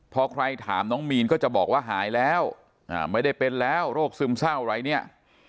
พอใครถามน้องมีนก็จะบอกว่าหายแล้วไม่ได้เป็นแล้วโรคซึมเศร้าอะไรเนี่ย